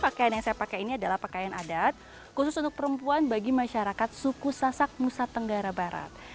pakaian yang saya pakai ini adalah pakaian adat khusus untuk perempuan bagi masyarakat suku sasak nusa tenggara barat